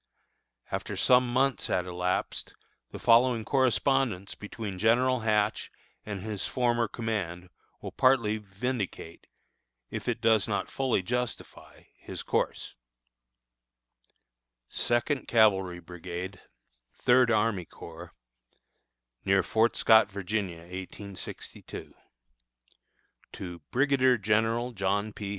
After some months had elapsed, the following correspondence between General Hatch and his former command will partly vindicate, if it does not fully justify, his course: SECOND CAVALRY BRIGADE, THIRD ARMY CORPS, Near Fort Scott, Va., 1862. _To Brigadier General John P.